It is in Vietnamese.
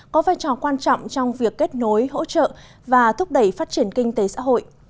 có vai trò quan trọng trong việc kết nối hỗ trợ và thúc đẩy phát triển kinh tế xã hội